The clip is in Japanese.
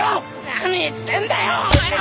何言ってんだよお前は！